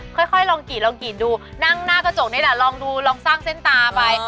ค่อยลองกินดูนั่งหน้ากระจกนี้ละลองดูลองสร้างเส้นตาไป